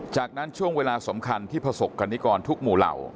จากนั้นช่วงเวลาสำคัญที่ประสบกรณิกรทุกหมู่เหล่า